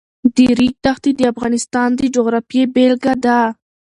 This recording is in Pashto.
د ریګ دښتې د افغانستان د جغرافیې بېلګه ده.